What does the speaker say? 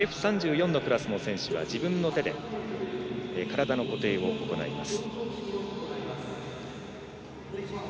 Ｆ３４のクラスの選手は自分の手で体の固定を行います。